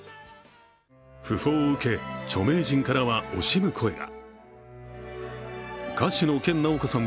訃報を受け、著名人からは惜しむ声が。